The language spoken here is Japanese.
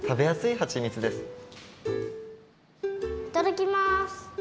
いただきます！